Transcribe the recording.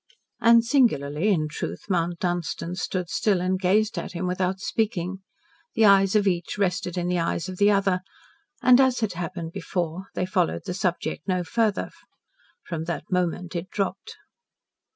And singularly, in truth, Mount Dunstan stood still and gazed at him without speaking. The eyes of each rested in the eyes of the other. And, as had happened before, they followed the subject no further. From that moment it dropped.